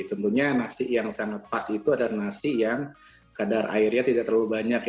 tentunya nasi yang sangat pas itu adalah nasi yang kadar airnya tidak terlalu banyak